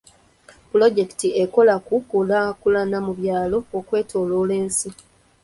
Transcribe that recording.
Pulojekiti ekola ku nkulaalulana mu byalo okwetooloola ensi.